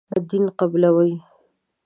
دین قبولوي.